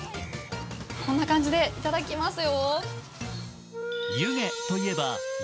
こんな感じで頂きますよ。